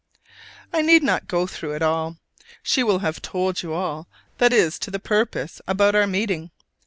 I need not go through it all: she will have told you all that is to the purpose about our meeting.